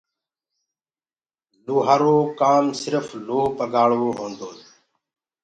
لوهآرو ڪآم سرڦ لوه پگآݪوو هوندوئي